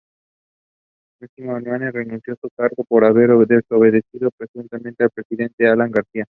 Remigio Hernani, renunció a su cargo, por haber desobedecido presuntamente al Presidente Alan García.